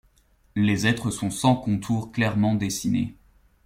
Les êtres sont sans contour clairement dessiné.